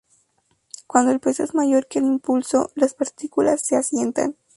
Cuando el peso es mayor que el impulso, las partículas se asientan.